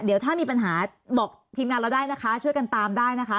เดี๋ยวถ้ามีปัญหาก็บอกทีมงานเราได้ช่วยกันกันตามได้